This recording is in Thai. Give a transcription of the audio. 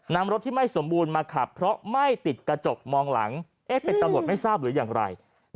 นำรถที่ไม่สมบูรณ์มาขับเพราะไม่ติดกระจกมองหลังเป็นตำรวจไม่ทราบหรืออย่างไร